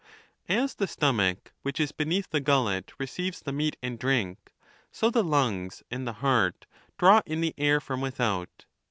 As the stomach, which is beneath the gullet, receives the meat and drink, so the lungs and the heart draw in the air from without.